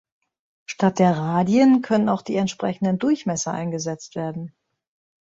Statt der Radien können auch die entsprechenden Durchmesser eingesetzt werden.